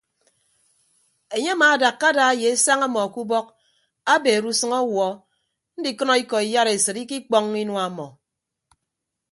Enye amaadakka ada ye esañ ọmọ ke ubọk abeere usʌñ awuọ ndikʌnọ ikọ iyaresịt ikikpọññọ inua ọmọ.